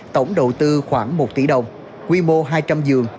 tổng đầu tư khoảng một tỷ đồng quy mô hai trăm linh giường